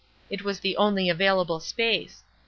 It was the only available space.